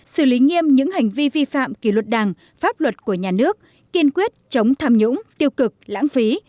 xử lý nghiêm những hành vi vi phạm kỷ luật đảng pháp luật của nhà nước kiên quyết chống tham nhũng tiêu cực lãng phí